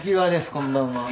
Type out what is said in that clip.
こんばんは。